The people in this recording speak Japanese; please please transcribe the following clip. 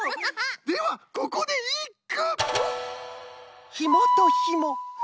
ではここでいっく！